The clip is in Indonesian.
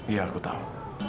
iya aku tahu